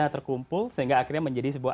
terkumpul sehingga akhirnya menjadi sebuah